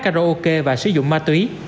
karaoke và sử dụng ma túy